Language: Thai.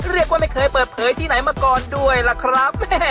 ไม่เคยเปิดเผยที่ไหนมาก่อนด้วยล่ะครับ